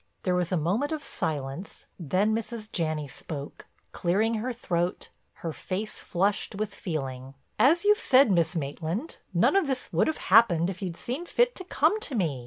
There was a moment of silence, then Mrs. Janney spoke, clearing her throat, her face flushed with feeling: "As you've said, Miss Maitland, none of this would have happened if you'd seen fit to come to me.